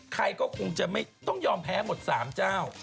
ใครก็คงจะไม่ต้องยอมแพ้หมด๓เจ้า